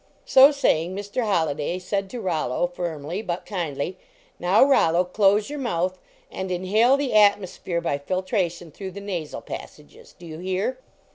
So saying, Mr. Holliday said to Rollo firmly, but kindly: "Now, Rollo, close your mouth and in hale the atmosphere by filtration through the nasal passages; do you hear?